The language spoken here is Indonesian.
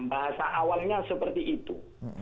bahasa awalnya seperti itu